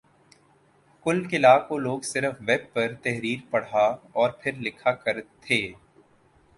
کل کلاں کو لوگ صرف ویب پر تحریر پڑھا اور پھر لکھا کر تھے